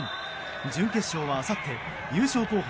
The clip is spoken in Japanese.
準決勝は、あさって優勝候補